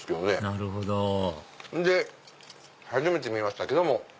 なるほどで初めて見ましたけども。